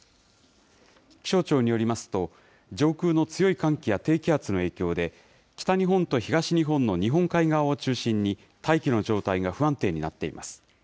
気象庁によりますと、上空の強い寒気や低気圧の影響で、北日本と東日本の日本海側を中心に、大気の状態が不安定になっています。